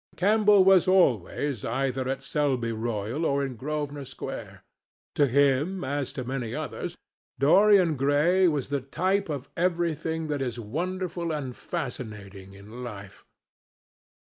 Campbell was always either at Selby Royal or in Grosvenor Square. To him, as to many others, Dorian Gray was the type of everything that is wonderful and fascinating in life.